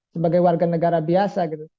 sebagai warga negara biasa gitu